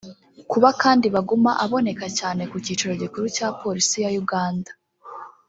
Kuba kandi Baguma aboneka cyane ku kicaro gikuru cya Polisi ya Uganda